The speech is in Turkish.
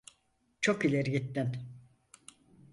Çok ileri gittin!